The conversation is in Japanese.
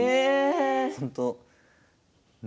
本当にね。